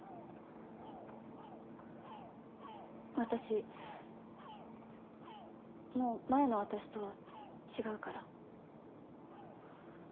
私もう前の私とは違うから。